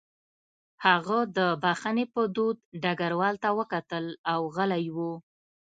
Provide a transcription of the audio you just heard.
هغه د بښنې په دود ډګروال ته وکتل او غلی و